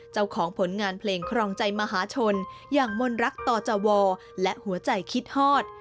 เจ้าของผลงานเพลงครองใจมหาชนอย่างมนรักต่อจวและหัวใจคิดฮอด